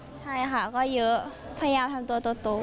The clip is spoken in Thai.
ใช่ค่ะก็เยอะพยายามทำตัวโต